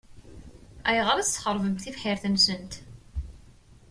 Ayɣer i tesxeṛbemt tibḥirt-nsent?